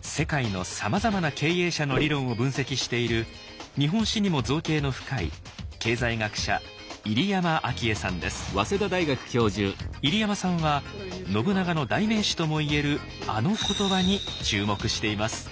世界のさまざまな経営者の理論を分析している日本史にも造詣の深い経済学者入山さんは信長の代名詞とも言える「あの言葉」に注目しています。